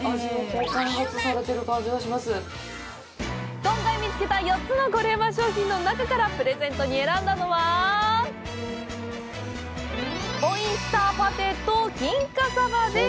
今回見つけたコレうま商品４つの中からプレゼントに選んだのはオイスターパテと金華サバです！